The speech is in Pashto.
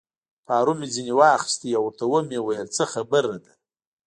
پارو مې ځینې واخیست او ورته مې وویل: څه خبره ده؟